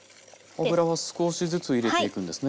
油は少しずつ入れていくんですね。